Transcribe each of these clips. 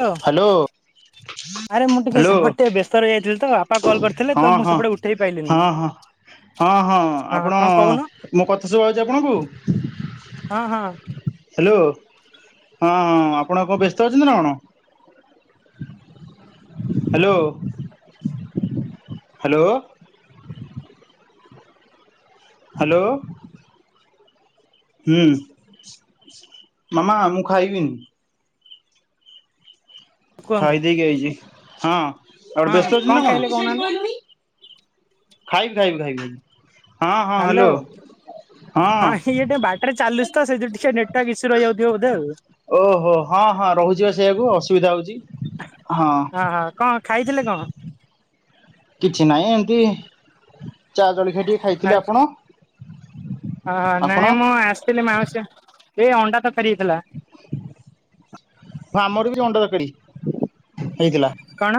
ତ ହ୍ୟାଲୋ। ଆରେ ମୁଁ ଟିକେ ହ୍ୟାଲୋ ସେପଟେ ଟିକେ ବ୍ୟସ୍ତ ରହି ଯାଇଥିଲି ତ ବାପା କଲ୍ କରିଥିଲେ ହଁ ତ ମୁଁ ହଁ ସେପଟେ ଉଠେଇ ପାଇଲିିନି। ହଁ ହଁ ହଁ ହଁ ଆପଣ ମୋ କଥା ଶୁଭାଉଛି ଆପଣଙ୍କୁ। ହଁ ହଁ। ହେଲୋ ହଁ ହଁ ଆପଣ କ ବ୍ୟସ୍ତ ଅଛନ୍ତି ନାଁ କଣ? Hello hello. ହାଲୋ। ହୁଁ ମାମା ମୁଁ ଖାଇବିନି। କୁହନ୍ତୁ ଖାଇ ଦେଇକି ଆଇଚି ହଁ ଆଉ ଡ଼ୁ ହଁ ବ୍ୟସ୍ତ ଅଛନ୍ତି କଣ ନାଁ ଖାଇଲେ କହୁନାହାନ୍ତି? କଣ? ଖାଇବି ଖାଇବି ଖାଇବି [unintelligible] ହାଲୋ ହଁ ହଁ ଏଇ ଟିଏ ବାଟରେ ଚାଲୁ ତ ସେଇ ଯୋଉ ଟିକେ ନେଟୱା ଇସୁ ରହିଯାଉଥିବ ବୋଧେ ଆଉ। ଓହୋ ହଁ ହଁ ରହୁଚି ବା ସେଇଆକୁ ଅସୁବିଧା ହଉଚି। ହଁ ହଁ କଁ ଖାଇଥିଲେ କଣ? କିଛି ନାହିଁ ଏମତି ଚା ଜଳିଖିଆ ଟିକେ ଖାଇଥିଲି। ଆପଣ? ହଁ ଆପଣ ନାଇଁ ମୁଁ ଆସିଥିଲି ମାଉଁସ ଏ ଅଣ୍ଡା ତକାରି ହେଇଥିଲା। ହଁ ଆମର ବି ଅଣ୍ଡା ତକାରି ହେଇଥିଲା। କଣ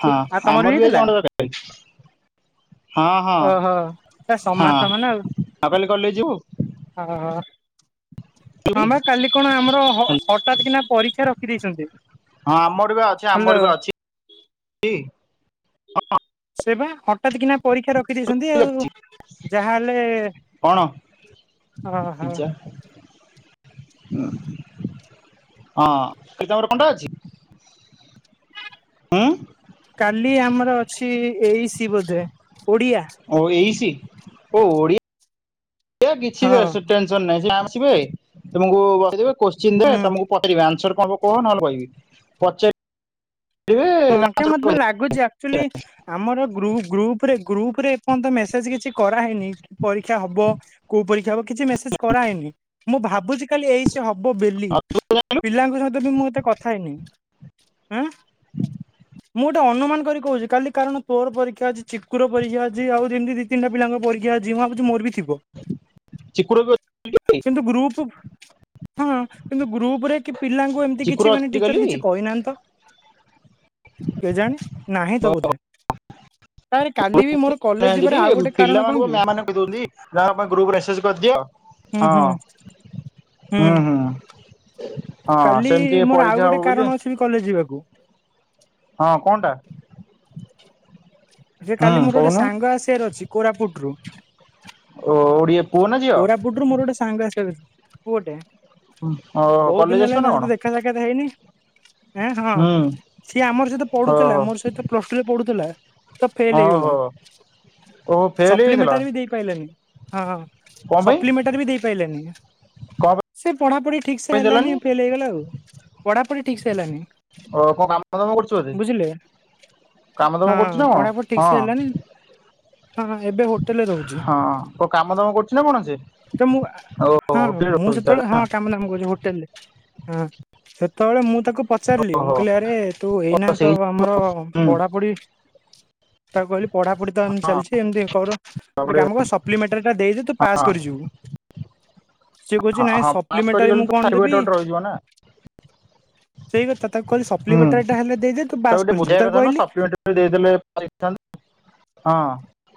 ହଁ ଆଉ ତମର ଆମର ବି ଆଜି ହେଇଥିଲା ଅଣ୍ଡା ତକାରି ହଁ। ହଁ ଓହୋ ଏ ହଁ ସମାନ ସମାନ ଆଉ। ଆ କାଲି କଲେଜ୍ ଯିବୁ? ଅଃ ହଁ ଯିବୁଟି? ବା କାଲି କଣ ଆମର ହ ହଁ ହଠତ୍ କିନା ପରୀକ୍ଷା ରଖି ଦେଇଛନ୍ତି। ଆମର ବା ଅଛି ଆମର ବା ଅଛି ଇ। ହଁ। ସେ ବା ହଠାତ୍ କିନା ପରୀକ୍ଷା ର ଖି ଦେଇଛନ୍ତି ଆଉ ଅଛି ଯାହା ହେଲେ କଣ ଅହ। ପିଜା ହଁ କି ତମର କଣ୍ଟେ ଅଛି? ଉଁ? କାଲି ଆମର ଅଛି ଏ ଇ ସି ବୋଧେ ଓଡ଼ିଆ। ଓ ଏଇସି ଓ ଓଡ଼ି ଏ କିଛି ହଁ ଦେସ ଟେନସନ୍ ନାହିଁ ଯାଆ ଆସିବେ ତମକୁ କହିଦେବେ। କୋଶ୍ଚିିନ ଦେ ହୁଁ ତମୁକୁ ପଚାରିବେ ଆନ୍ସର୍ କଁ ହବ କହ ନହେଲେ କହିବି ପଚାରି ହଁ କାଇଁ ମତେ ଲାଗୁଚି ଆକ୍ଚୁଲି ଆମର ଗ୍ରୁ ଗ୍ରୁପ୍ ରେ ଗ୍ରୁପ୍ ରେ ପନ୍ତ ମେସେଜ୍ କିଛି କରାହେଇନେଇ କି ପରୀକ୍ଷା ହବ କୋଉ ପରୀକ୍ଷା ହବ କିଛି ମେସେଜ୍ କରାହେନେଇ। ମୁଁ ଭାବୁଚି କାଲି ଏ ଇ ସି ହ ବ ବେଲି ଆଉ ତୁ ଜାଣିଲୁ ପିଲାଙ୍କ ସହିତ ବି ମୁଁ ଏତେ କଥା ହେଇନେଇ। ଆଁ? ମୁଁ ଗୋଟେ ଅନୁମାନ କରି କହୁଚି କାଲି କାରଣ ତୋର ପରୀକ୍ଷା ଅଛି ଚିକୁର ପରୀକ୍ଷା ଅଛି ଆଉରି ଏମିତି ଦି ତିନଟା ପିଲା ଙ୍କ ପରୀକ୍ଷା ଅଛି ମୁଁ ଭାବୁଚି ମୋର ବି ଥିବ। ଚିକୁର ବି ଅଛି କାଲି? କିନ୍ତୁ ଗ୍ରୁପ୍ ହଁ କିନ୍ତୁ ଗ୍ରୁପ୍ ରେ କି ପିଲାଙ୍କୁ ଏମତି ଚିକୁର କିଛି ମାନେ ଅଛି ଟିଚର୍ କିଛି କାଲି? କହିନାହାନ୍ତି ତ। କେଜାଣି ନାହିଁ ତ ବୋଧେ। ତାରେ କାଲି ବି ମୋର କଲେଜ [inaudible] ଯିବାର ଟି ଆଉ ଗୋଟେ କାରଣ କଣ ପିଲାମାନୁଙ୍କୁ କି ମ୍ୟା ମାନେ କହିଦୋଉନ୍ତି ଯାହାର ପା ଗ୍ରୁପ୍ ମେସେଜ୍ କ କିଅ। ହୁଁ ହୁଁ। ହୁଁ ହୁଁ। ହଁ କାଲି ସେମିତି ମୋର ଆଉ ପରୀକ୍ଷା ଗୋଟେ ହବ ବୋଲି କାରଣ ଅଛି ବି କଲେଜ ଯିବାକୁ ହଁ କଣଟା? ଯେ ହୁଁ କାଲି ମୋର ଗୋଟେ କହୁନୁ ସାଙ୍ଗ ଆସିବାର ଅଛି କୋରାପୁଟୁରୁୁ। ଓ ଓଡିଆ ପୁଅ ନା ଝିଅ? କୋରାପୁଟଙରୁ ମୋର ଗୋଟେ ସାଙ୍ଗ ଆସିବାର ଅ ପୁଅଟେ। ଓ ବହୁତୁ କଲେଜ ଦିନି ଆସିବ ହେଲାଣି ନା ତା କଣ? ସଇତ ଦେଖାସଖାତ ହେଇନି। ଏଁ ହଁ ହୁଁ ସିଏ ଆମର ସହିତ ଓହୋ। ପଢୁଥିଲା ମୋର ସହିତ ପ୍ଲସ୍ଟୁ ରେ ପଢୁଥୁଲା। ତ ଫେଲ୍ ହେଇଗଲା ଓହୋ ଓହୋ ଫେଲ ହେଇଯାଇଥିଲା ସପ୍ଲିମେଣ୍ଟରେ ବି ଦେଇ ପାଇଲାନି ହଁ। କଣ ପାଇଁ ସପ୍ଲିମେଣ୍ଟାରୀ ବି ଦେଇ ପାଇଲେନି ନି। କଣ ସେ ପଢାପଢି ଠିକ୍ ସେ ପାଇଁ ଦେଲାନି? ହେଲାନି ଫେଲ୍ ହେଇଗଲା ଆଉ ପଢାପଢି ଠିକ୍ ସେ ହେଲାନି। ଓ କଣ କାମ ଦାମ କରୁଚୁ ବୋଧେ? ବୁଝିଲେ କାମ ଦାମ ହଁ କରୁଛି ନା କଣ? ପଢାପଢି ଠିକ୍ ହଁ ସେ ହେଲାନି ହଁ ଏବେ ହୋଟେଲେ ରହୁଚି। ହଁ କଣ କାମ ଦାମ କରୁଛି ନା କଣ ସେ? ତ ମୁଁ ଓ ହଁ ହୋଟେଲରେ ମୁଁ ରହୁଛି ତାହେଲେ ସେତେବେଳେ ନା ହଁ କାମ ଦାମ କରୁଛି ହୋଟେଲ୍ ରେ। ସେତେବେଳେ ମୁଁ ତାକୁ ପଚାରିଲି ମୁଁ ଓହୋ କହିଲି ଆରେ ତୁ ଓ ଏଇନା ସେଇ ତ ଆମର ହଁ ପଢାପଢି ତାକୁ କହିଲି ପଢାପଢି ତ ଏମିତି ଚାଲିଛି ଏମିତି କର ଗୋଟେ ତାପରେ କାମ କର ସପ୍ଲିମେଣ୍ଟାରୀ ଟା ଦେଇଦେ ତୁ ହଁ। ପାସ୍ କରିଯିବୁ। ସିଏ କହୁଛି ହଁ ନାଇଁ ହଁ ପାସ୍ ସପ୍ଲିମେଣ୍ଟାରୀ ମୁଁ କରିଗଲେ ତ କଣ ଦେବି ସାର୍ଟିଫିକେଟ ଟେ ରହିିଯିବ ନା। ସେଇ କଥା ତାକୁ କହିଲି ହୁଁ ସପ୍ଲିମେଣ୍ଟାରୀ ଟା ହେଲେ ଦେଇଦେ ତୁ ତାକୁ ପାସ୍ ଟିକେ କରିଯିବୁ ବୁଝେଇବା ତାକୁ କଥା ନୁହଁ କହିଲି। ସପ୍ଲିମେଣ୍ଟାରୀ ଦେଇଦେଲେ ଦେଇଥାନ୍ତେ। ହଁ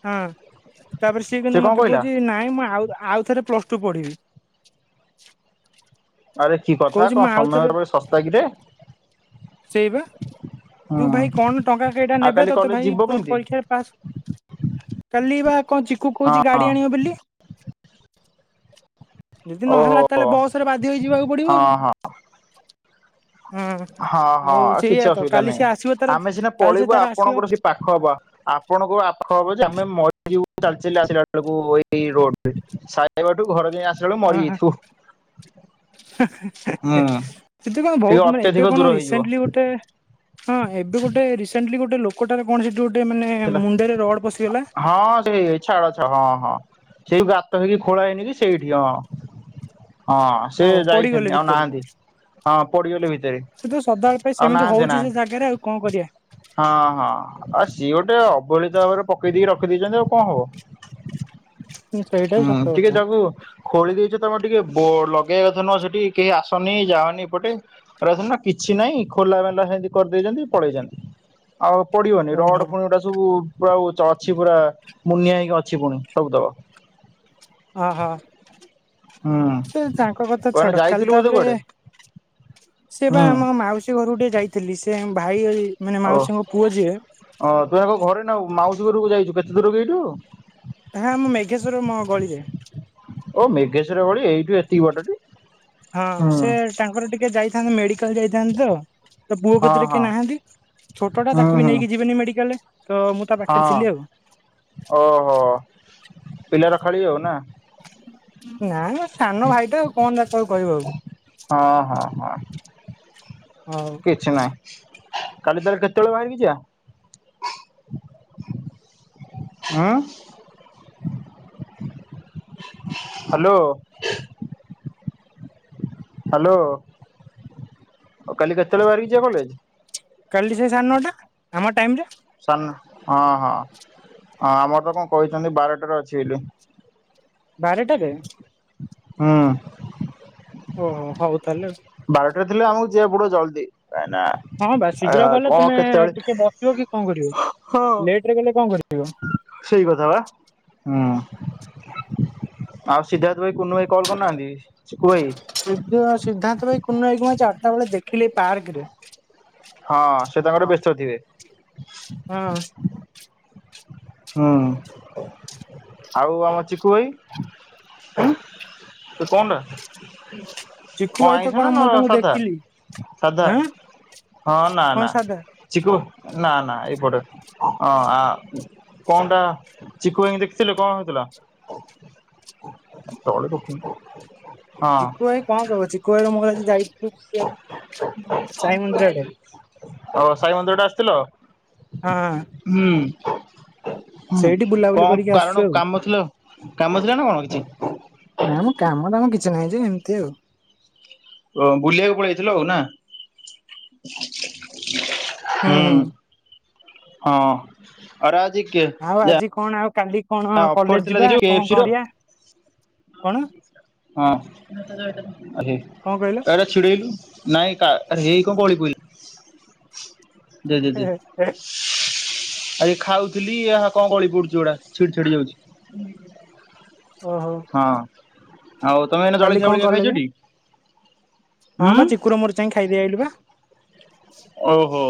ହୁଁ ତାପରେ ସିଏ ସେ କିନ୍ତୁ କଣ ମତେ କହିଲା କହୁଛି ନାଇଁ ମୁ ଆଉ ଆଉଥରେ ପ୍ଲସ୍ଟୁ ପଢିବି। ଆରେ କି କଥା କହୁଛି କଣ ସମୟ କେବେ ଶସ୍ତା କିରେ। ସେଇପା। ହୁଁ ତୁ ଭାଇ କଣ ଟଙ୍କା କେଇଟା ଆଉ ନେବେ କାଲି ତତେ କଲେଜ ଭାଇ ଯିବ କେମିତି ପରୀକ୍ଷାରେ ପାସ୍ କାଲି ବା କଣ ଚିକୁୁ କହୁଚି ହଁ ଗାଡି ଆଣିବ ବୋଲି। ଯଦି ନହେଲା ଓହୋ ତାହାଲେ ବସ ରେ ବାଧ୍ୟ ହେଇ ଯିବାକୁ ହଁ ପଡିବ। ଆଉ ହଁ। ହଁ ଆଉ ହଁ କିଛି ସେଇଆ ତ ଅସୁବିଧା କାଲି ନାହିଁ ସିଏ ଆସିବ ତାର ଆମେ ସିନା କାଲି ସେ ପଳେଇିବୁ ତାର ଆସିବ ଆପଣଙ୍କର ସେ ପାଖ ହବ। ଆପଣଙ୍କୁ ପାଖ ହବ ଯେ ଆମେ ମ ଯଉ ଚାଲି ଚାଲି ଆସିଲା ବେଳକୁ ଏଇ ରୋଡ ସଇବାଟୁ ଘର ଯାଏ ଆ ହଁ ହଁ ହୁଁ ସେଇ କଁ ଟିକେ ବହୁତୁ ମାନେ ଏବେ ଅତ୍ୟଧିକ ଦୂର କଣ ହେଇଯିବ ରିସେଣ୍ଟଲି ଗୋଟେ ହଁ ଏବେ ଗୋଟେ ରିସେଣ୍ଟଲି ଗୋଟେ ଲୋକଟାରେ କଣ ସେ ଥିଲା ହଁ ସେ ଛାଡ ଛା ହଁ ହଁ। ସେଇ ଗାତ ହେଇକି ଖୋଳା ହେଇନି କିି ସେଇଠି ହଁ। ହଁ ସେ ପଡିଗଲେ ଯାଇଚନ୍ତି ଆଉ ଭିତରେ ନାହାନ୍ତି ହଁ ପଡିଗଲେ ଭି ସେ ତ ସଦାବେଳେ ପାଇଁ ଆଉ ସେମିତି ନାହାନ୍ତି ହଉଛି ସେ ନାହାନ୍ତି ଜାଗାରେ ଆଉ କଣ କରିବା। ହଁ ହଁ ଆ ଗୋଟେ ଅବଳିତ ଭାବରେ ପକେଇ ଦେଇକି ରଖିଦେଇଚନ୍ତି ଆଉ କଁ ହବ। ହୁଁ ସେଇଟା ବି ଉଁ ସତ ‌ଟିକେ କଥା ତାକୁ ଖୋଳି ଦେଇଚ ତମ ଟିକେ ବୋ ଲଗେଇବା ଥା ନୁହେଁ କଥା ସେଠି କେହି ଆସନି ଯାଅନି ଏପଟେ ଏରା ସିନା କିଛି ନାଇଁ ଏପଟେ। ଖୋଲା ମେଲା ହେନ୍ତି କରି ଦେଇଚନ୍ତି ପଲେଇଚନ୍ତି ଆଉ ପଡ଼ିବନି ଓହୋ ରଡ଼୍ ସବୁ ପୁରା ଚ ଅଛି ପୁରା ମୁନିଆ ହେଇକି ଅଛି ପୁଣି ସବୁ ତକ। ଅ ହୋ ହୁଁ ସେ ତାଙ୍କ କଥା କଣ ଛାଡ କାଲି ଯାଇଥିଲୁ ବୋଧେ ତାପରେ କୁଆଡେ ସିଏପା ହୁଁ। ଆମ ମାଉସୀ ଘରକୁ ଟିକେ ଯାଇଥିଲି ସେ ଭାଇ ମାନେ ଓ ମାଉସୀଙ୍କ ପୁଅ ଯିଏ ଓ ତୁ ଏବେ ଘରେ ନାହୁଁ ମାଉସୀ ଘରକୁ ଯାଇଚୁ, କେତେ ଦୂର କି ଏଇଠୁ? ହାଁ ମୁଁ ମେଘେଶ୍ଵର ମୋ ଗଳିରେ। ଓ ମେଘେଶ୍ୱର ଗଳି ଏଇଠୁ ଏତିକି ବାଟଟି। ହଁ ହୁଁ ସେ ତାଙ୍କର ଟିକେ ଯାଇଥାନ୍ତେ ମେଡ଼ିକାଲ୍ ଯାଇଥାନ୍ତେ ତ ପୁଅ ହଁ କତିରେ ହଁ କିଏ ନାହାନ୍ତି ଛୋଟ ଟା ହୁଁ ତାକୁ ବି ହୁଁ ନେଇକି ଯିବେନି ମେଡିକାଲ ହଁ ଓହୋ ପିଲା ରଖାଳି ଆଉ ନା? ନା ନା ସାନ ଭାଇଟା ଆଉ କଣ ତାକୁ ଆଉ କହିବ ଆଉ। ହଁ, ହଁ, ହଁ, ହଉ କିଛି ନାହିଁ। କାଲି ତାହାଲେ କେତେବେଳେ ବାହାରିକି ଯିବା। ହୁଁ। ହାଲୋ। ହାଲୋ ଆଉ କାଲି କେତଳେ ବାହାରିକି ଯିବା କଲେଜ୍? କାଲି ସେ ସାଢ଼େନଅଟା ଆମ ଟାଇମ୍ ରେ। ସାନ ହଁ ହଁ ହଁ ଆମର ତ କଣ କହିଛନ୍ତି ବାରଟାରେ ଅଛି ବୋଲି। ବାରଟାରେ ହୁଁ ଓହୋ ହଉ ତାହେଲେ ବାରଟାରେ ଥିଲେ ଆମକୁ ଯିବାକୁ ପଡିବ ଜଲଦି କାହିଁ ନା ହଁ ବା ଆ ଶୀଘ୍ର ଗଲେ କଣ ତମେ କେତେବେଳେ ଟିକେ ବସିବ କି କଣ ହଁ କରିବ ଲେଟ ରେ ଗଲେ କଣ କରିବ? ସେଇ କଥା ବା ହୁଁ ଆଉ ସିଧା କୁ ଭାଇ କୁନୁ ଭାଇ କଲ କରିନାହାନ୍ତି? ଚିକୁ ସୂର୍ଯ୍ୟ ସିଦ୍ଧାନ୍ତ ଭାଇ ଭାଇ କୁନୁ ଭାଇକୁ ମୁ ଆ ଚାରିଟା ବେଳେ ଦେଖିଲି ପାର୍କ ରେ। ହଁ ସେ ତାଙ୍କରେ ବ୍ୟସ୍ତ ଥିବେ। ହଁ। ହୁଁ ଆଉ ଆମ ଚିକୁଭାଇ? ହଁ ସେ କଣଟା? ଚିକୁୁ କଣ ଭାଇ ତ କଣ ଆଇଁସନା ନ ମୁଁ ତାଙ୍କୁ ସାଧା ଦେଖିଲି ସାଧା? ଆଁ ହଁ ନା କଣ ନା ସାଧା ଚିକୁ ନା ନା ଏଇପଟେ ହଁ ଆ। କଣ ଟା ଚିକୁ ଭାଇଙ୍କି ଦେଖିଥିଲେ କଣ ହୋଉଥିଲା? ତଳେ ରଖୁନୁ। ଚିକୁ ଭାଇ କଣ କହିବ? ଚିକୁ ଭାଇର ମୋର ଆଜି ଯାଇଥିଲୁ ସାଇ ମନ୍ଦିର ଆଡେ ହ ସାଇ ମନ୍ଦିର ଟା ଆ ଥିଲ। ହଁ ହଁ ହୁ ସେଇଠି ବୁଲାବୁଲି କଣ କରିକି ଆସୁଛୁ କାରଣ ଆଉ। କାମଥିଲା କାମ ଥିଲା ନା କଣ କିଛି? ନାଇମ କାମ ଦାମ କିଛି ନାହିଁ ଯେ ଏମିତି ଆଉ। ଓ ବୁଲିବାକୁ ପଳେଇଥିଲ ଆଉ ନା? ହୁଁ ହୁଁ। ହଁ ଅରାଜିି ଆଉ ଆଜି କଣ ଆଉ? କାଲି କଣ ଅଫର କଲେଜ ଥିଲା ଯିବା ଦେଖିବୁ କଣ କେଏଫସି ର କରିବା କଣ? ହଁ କଣ କହିଲ? ଏଟା ଛିଡେଇଲୁ ନାଇଁ କା ଆରେ ହେଇ କ ଗଲିପ ଆ ଖାଉଥିଲି କଣ ଗଳି ପଡୁଛି ଏଗୁଡା। ଛିଡ଼ ଛିଡ଼ି ଯାଉଛି। ଓହୋ ହଁ ଆଉ ତମେ ଏନେ କାଲି ଜଳଖିଆ କଣ ବଳଖିଆ କଲେଜ? ଖାଇଛଟି? ହଁ ହୁଁ ବା ଚିକୁର ମୋର୍ ଯାଇକି ଖାଇଦେଇ ଆଇଲୁ ପା। ଓହୋ।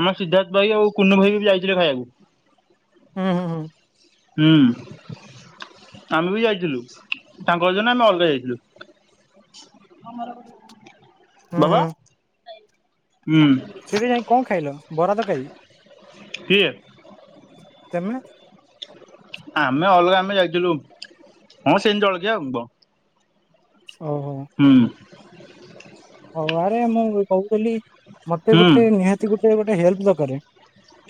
ଆମର ସିଦ୍ଧାର୍ଥ ଭାଇ ଆଉ କୁନୁ ଭାଇ ବି ଯାଇଥିଲେ ଖାଇବାକୁ। ହୁଁ ହୁଁ ହୁଁ। ହୁଁ ଆମେ ବି ଯାଇଥିଲୁ ତାଙ୍କଜ ଆମେ ଅଲଗା ଯାଇଥିଲୁ। ହୁଁ ବାବା ହୁଁ ତୁ ନାଇଁ କଣ ଖାଇଲ ବରା ତ ଖାଇ ଥିଏ। ତେମେ? ଆମେ ଅଲଗା ଆମେ ଯାଇଥିଲୁ ହଁ ସେମିତି ଜଳଖିଆ ଆଉ। ଓହୋ। ହୁଁ ହଉ ଆରେ [unintelligible] କହୁଥିଲି ମତେ ହୁଁ। ଗୋଟେ ନିହାତି ଗୋଟେ ହେଲ୍ପ ଦରକାରେ।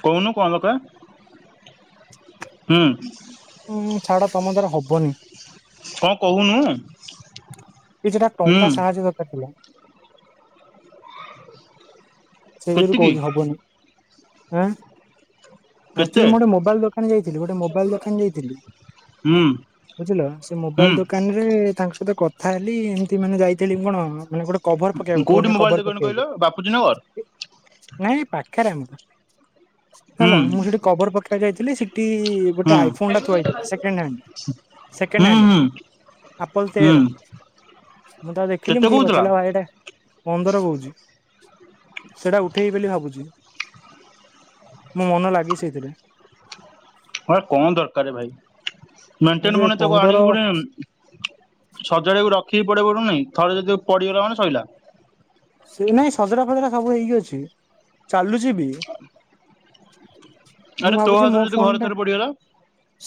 କହୁନୁ କଣ ଦରକାର? ହୁଁ। ହୁଁ ଛାଡ ତମ ଦ୍ୱାରା ହବନି। କଣ କହୁନୁ? କିଛି ଟା ହୁଁ ଟଙ୍କା ସାହାଯ୍ୟ ଦରକାର ଥିଲା। ସେଇଥିରୁ କେତିକି କହୁଛି ହବନି ଆଁ କେତେ ଆଚୁଆଲି ମୁଁ ଗୋଟେ ମୋବାଇଲ ଦୋକାନ ଯାଇଥିଲି ଗୋଟେ ମୋବାଇଲ ଦୋକାନ ଯାଇଥିଲି। ହୁଁ ବୁଝିଲ ସେ ହୁଁ ମୋବାଇଲ ଦୋକାନ ରେ ତାଙ୍କ [unintelligible] କଥା ହେଲି ଏମିତି ମାନେ ଯାଇଥିଲି କଣ ଗୋ କଭର ପକେଇବାକୁ କୋଉଠି ଫୋନରେ ମୋବାଇଲ କଭର ଦୋକାନ କହିଲ ବାପୁଜୀ ନଗର ପକେଇବାକୁ। ନାଇଁ ପାଖରେ ଆମର ହୁଁ ହେଲା ମୁଁ ସେଠି କଭର ପକେଇବାକୁ ଯାଇଥିଲି ସି ଟି ଗୋଟେ ହୁଁ ଆଇଫୋନ ଟା ଥୁଆ ହୋଇଥିଲା ସେକେଣ୍ଡ ହ୍ୟାଣ୍ଡ ସେକେଣ୍ଡ ହୁଁ ହ୍ୟାଣ୍ଡ। ହୁଁ ଆପଲ ହୁଁ ତେର। ମୁଁ ତ ଦେଖିଲି କେତେ ମୁ କହିଲି କହୁଥିଲା ପଚାରିଲି ଭାଇ ଏଇଟା ପନ୍ଦର କହୁଛି। ସେଟା ଉଠେଇବି ବୋଲି ଭାବୁଛି। ମୋ ମନ ଲାଗିଛି ସେଇଥିରେ। କଣ ଦରକାର ଭାଇ। ହଁ ମେଣ୍ଟେନ୍ ଯେ ପୁଣି ତାକୁ ପନ୍ଦର ଆଣିକି ପୁଣି ସଜାଡିବାକୁ ର କିଏ [unintelligible] ପଡୁନି ଥରେ ଯଦି ପଡିଗଲା ମାନେ ସଇଲା। ସେ ନାଇଁ ସଜଡା ଫଜଡା ସବୁ ହେଇକି ଅଛି ଚାଲୁଛି ବି। ମୁଁ ଆରେ ତୋ ଭାବୁଛି ହାତରୁ ମୋ ଯଦି ଫୋନ ଘରେ ଟା ଥରେ ପଡିଗଲା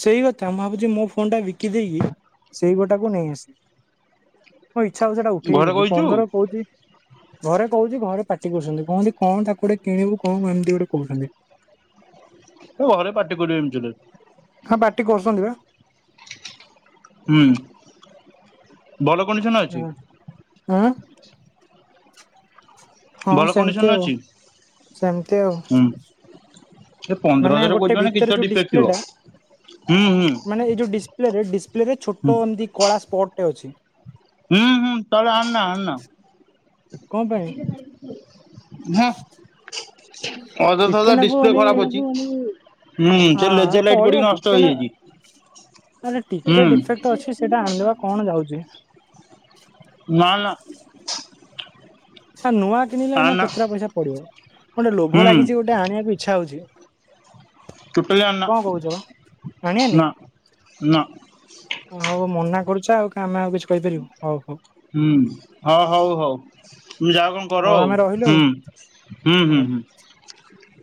ସେଇ କଥା ମୁଁ ଭାବୁଛି ମୋ ଫୋନ ଫୋନ ଟା ବିକି ଦେଇକି ସେଇ ଗୋଟାକୁ ନେଇ ଆସେ। ହଁ ଇଚ୍ଛା ହଉଛି ସେଇଟା ଉଠେଇବି ଘରେ ବୋଲି କହିଛୁ ପନ୍ଦର କହୁଛି ଘରେ କହୁଛି ଘରେ ପାଟି କରୁଛନ୍ତି କହୁଚନ୍ତି କଣ ତାକୁ ଗୋଟେ କିଣିବୁ କଣ ଏମିତି ଗୋଟେ କହୁଛନ୍ତି। ଘରେ ପାଟି କରିବେ ଏମିତି ହେଲେ। ହଁ ପାଟି କରୁଛନ୍ତି ବା ହୁଁ ଭଲ କଣ୍ଡିସନ ଅଛି? ହଁ ହଁ ଭଲ ସେମିତି କଣ୍ଡିସନ ଆଉ ଅଛି ସେମିତି ଆଉ। ହୁଁ ଏ ପନ୍ଦର ମାନେ ହଜାର କହୁଛି ଗୋଟେ ମାନେ କିଛି ଭିତରେ ତ ଯୋଉ ଡିଫେକ୍ଟ ଡିସପ୍ଲେ ଥିବ। ଟା ହୁଁ ହୁଁ ମାନେ ଏଇ ଯୋଉ ଡିସପ୍ଲେ ରେ ଡିସପ୍ଲେ ରେ ଛୋଟ ଏମିତି କଳା ସ୍ପଟ ଟେ ଅଛି। ହୁଁ ହୁଁ ତାହାଲେ ଆଣନା ଆନା। କଣ ପାଇଁ [unintelligible] ଅଯଥା ଟିକେ [unintelligible] ନାକୁ ଡିସପ୍ଲେ ମାନେ ଖରାପ ଅଛି। ହୁଁ ସେ ହଁ ଲେଜର ଲାଇଟ୍ ଚଳିବ ପଡିକି ନଷ୍ଟ ଟିକେ ନା ହେଇଯାଇଛି। ଆରେ ଟିକେ ହୁଁ ଡିଫେକ୍ଟ ଅଛି ସେଇଟା ଆଣିଦବା କଣ ଯାଉଛି। ନା ନା। ନୂଆ କିଣିଲେ ଏଇନା ଆନା କେତେଟା ପଇସା ପଡିବ ଗୋଟେ ଲୋଭ ହୁଁ ଲାଗିଛି ଗୋଟେ ଆଣିବାକୁ ଇଛା ହଉଛି। ଟୋଟାଲି ଆନା କଣ କହୁଛ ବା ଆଣିଆନି? ନା ନା ହଉ ମନା କରୁଛ ଆଉ କା ଆମେ ଆଉ କିଛି କହିପାରିବୁ ହଉ ହଉ ହୁଁ ହଁ ହଉ ହଉ। ତୁ ଯାଆ କଣ କର ହଉ ଆଉ ଆମେ ରହିଲୁ ଆଉ ହୁଁ ହୁଁ ହଉ। ହୁଁ।